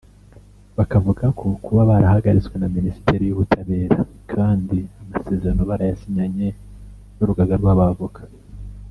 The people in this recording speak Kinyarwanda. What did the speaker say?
Bakavuga ko kuba barahagaritswe na Minisiteri y’Ubutabera kandi amasezerano barayasinyanye n’Urugaga rw’Abavoka